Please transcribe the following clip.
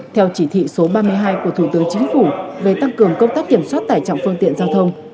theo chỉ thị số ba mươi hai của thủ tướng chính phủ về tăng cường công tác kiểm soát tải trọng phương tiện giao thông